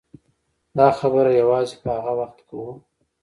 دا خبره یوازې په هغه وخت کوو.